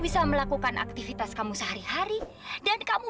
sampai jumpa di video selanjutnya